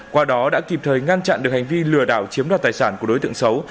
qua đó đã kịp thời ngăn chặn được hành vi lừa đảo chiếm đoạt tài sản của đối tượng xấu